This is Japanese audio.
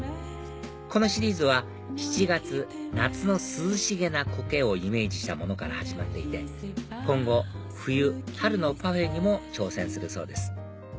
このシリーズは７月夏の涼しげなコケをイメージしたものから始まっていて今後冬春のパフェにも挑戦するそうです